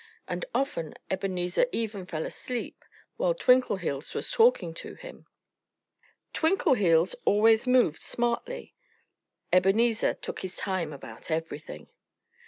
And often Ebenezer even fell asleep while Twinkleheels was talking to him. Twinkleheels always moved smartly. Ebenezer took his time about everything.